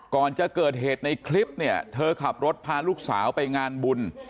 ก่อนจะเกิดเหตุในคลิปเนี่ยเธอขับรถพาลูกสาวไปงานบุญ